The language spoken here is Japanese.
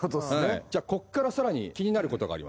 こっからさらに気になることがあります。